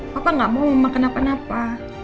papa gak mau makan apa apa